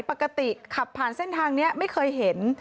ปกติขับผ่านเส้นทางนี้ไม่เคยเห็น